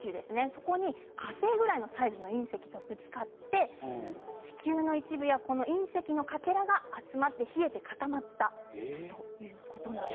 そこに火星くらいの隕石がぶつかって地球の一部や隕石のかけらが集まって冷えて固まったということなんです。